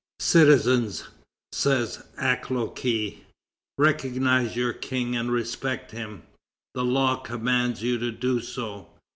"Citizens," says Acloque, "recognize your King and respect him; the law commands you to do so.